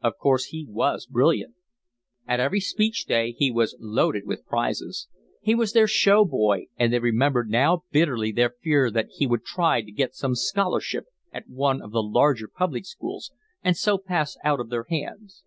Of course he was brilliant. At every Speech Day he was loaded with prizes. He was their show boy, and they remembered now bitterly their fear that he would try to get some scholarship at one of the larger public schools and so pass out of their hands.